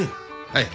はい。